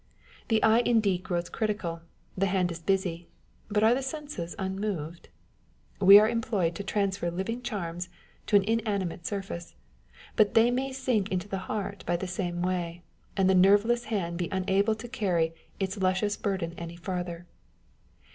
The eye indeed grows critical, the hand is busy : but are the senses unmoved ? We are employed to transfer living charms to an inanimate surface ; but they may sink into the heart by the way, and the nerveless hand be unable to carry its luscious burthen any further.